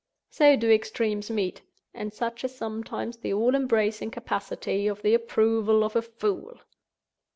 So do extremes meet; and such is sometimes the all embracing capacity of the approval of a fool!